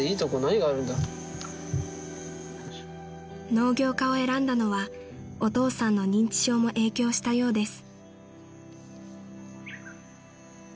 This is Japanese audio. ［農業科を選んだのはお父さんの認知症も影響したようです］